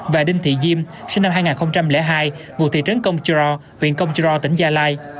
và đinh thị diêm sinh năm hai nghìn hai ngôi thị trấn công chơ rò huyện công chơ rò tỉnh gia lai